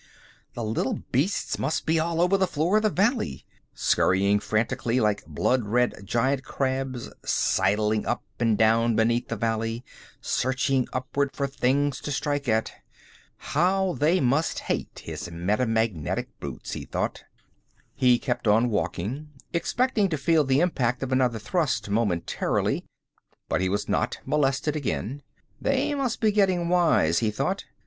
The little beasts must be all over the floor of the valley! Scurrying frantically, like blood red giant crabs, sidling up and down beneath the valley, searching upward for things to strike at. How they must hate his metamagnetic boots, he thought! He kept on walking, expecting to feel the impact of another thrust momentarily, but he was not molested again. They must be getting wise, he thought.